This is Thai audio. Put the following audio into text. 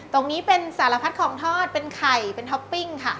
ตรงนี้เป็นสารพัดของทอดเป็นไข่เป็นท็อปปิ้งค่ะ